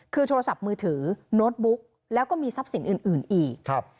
คือโทรศัพท์มือถือโน้ตบุ๊กแล้วก็มีทรัพย์สินอื่นอีก